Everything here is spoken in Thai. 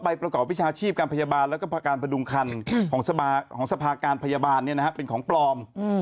ประกอบวิชาชีพการพยาบาลแล้วก็การพดุงคันของสภาการพยาบาลเป็นของปลอม